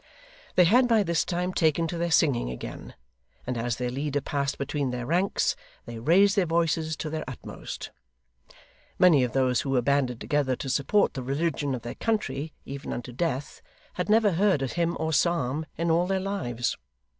They had by this time taken to their singing again, and as their leader passed between their ranks, they raised their voices to their utmost. Many of those who were banded together to support the religion of their country, even unto death, had never heard a hymn or psalm in all their lives.